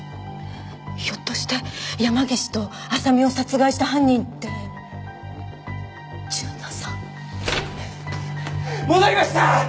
ひょっとして山岸と浅見を殺害した犯人って純奈さん？戻りました！